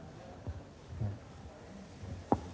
jangan ke sana